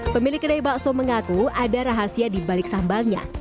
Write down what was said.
pemilik kedai bakso mengaku ada rahasia di balik sambalnya